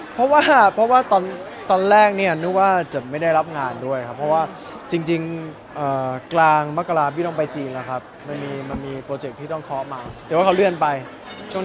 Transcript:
ค่ะนึกว่าจะไม่ได้รับงานด้วยเพราะว่าจริงจริงปากการล่าไม่ต้องไปจีนนะครับไม่มีมีบังคตกิจที่ต้องพอมาเดี๋ยวเขาเลื่อนไปช่วง